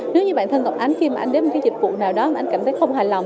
nếu như bản thân tộc anh khi mà anh đến một cái dịch vụ nào đó mà anh cảm thấy không hài lòng